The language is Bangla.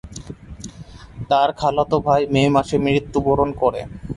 তার খালাতো ভাই মে মাসে মৃত্যুবরণ করে।